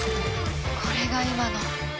これが今の。